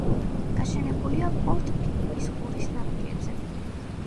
გაშენებულია პორტ ფილიპის ყურის ნაპირებზე.